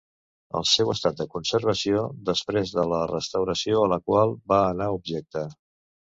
El seu estat de conservació després de la restauració a la qual va anar objecte.